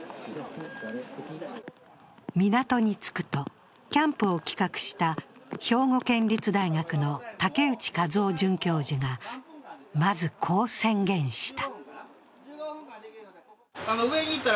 港に着くと、キャンプを企画した兵庫県立大学の竹内和雄准教授がまずこう宣言した。